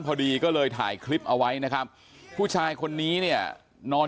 พอดีก็เลยถ่ายคลิปเอาไว้นะครับผู้ชายคนนี้เนี่ยนอน